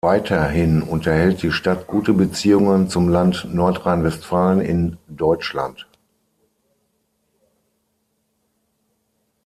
Weiterhin unterhält die Stadt gute Beziehungen zum Land Nordrhein-Westfalen in Deutschland.